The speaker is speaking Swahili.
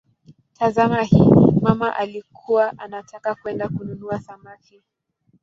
Tazama hii: "mama alikuwa anataka kwenda kununua samaki".